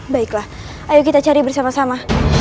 baiklah ayo kita cari bersama sama